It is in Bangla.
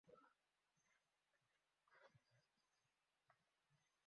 জাহিদ সাহেব বললেন, তোর স্যার তো আর এলেন না।